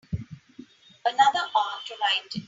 Another hour to write it.